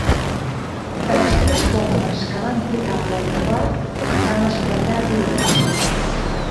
De les tres bombes que van portar a l’aeroport, en van esclatar dues.